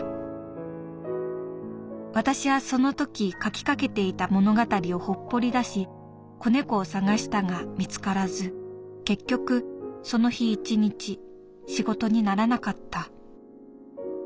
私はその時書きかけていた物語をほっぽりだし子猫を探したが見つからず結局その日一日仕事にならなかった」。